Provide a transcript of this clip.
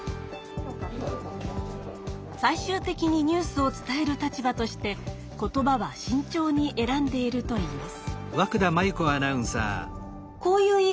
最終的にニュースを伝える立場として言葉はしんちょうに選んでいるといいます。